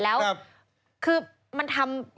แล้วคือมันทำอะไร